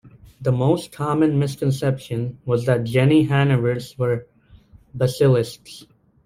The most common misconception was that Jenny Hanivers were Basilisks.